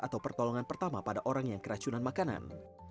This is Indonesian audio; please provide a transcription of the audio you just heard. atau pertolongan pertama pada orang yang keracunan makanan